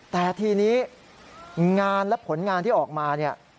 แต่ทีนี้งานและผลงานที่ออกมาเนี่ย